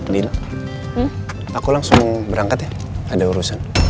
dina aku langsung mau berangkat ya ada urusan